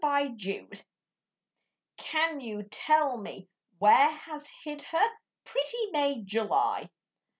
JULY FUGITIVE Can you tell me where has hid her, Pretty Maid July?